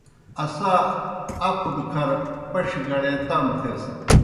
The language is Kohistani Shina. اسا اکھوْ دہ کھر پڇھیْ گڑے تام تھیسَن۔